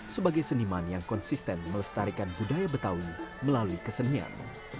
sebagai seniman yang konsisten melestarikan budaya betawi melalui kesenian